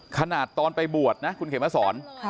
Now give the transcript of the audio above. ขนาดตอนไปบวชนะคุณเขมรสร